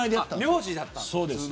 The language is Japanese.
名字だったんだ。